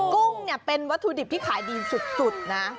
กุ้งเนี่ยเป็นวัตถุดิบที่ขายดีสุดนะ